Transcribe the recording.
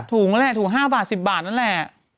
ถูงแหละถูง๕บาท๑๐บาทนั่นแหละ